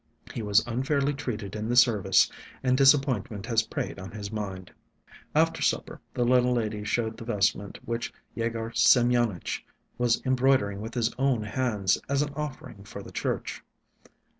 He was unfairly treated in the service, and the disappointment has preyed on his mind." After supper the little lady showed the vestment which Yegor Semyonitch was embroidering with his own hands as an offering for the Church.